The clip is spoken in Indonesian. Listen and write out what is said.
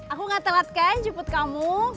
aku gak telat kan jemput kamu